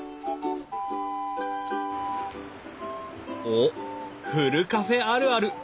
おっふるカフェあるある。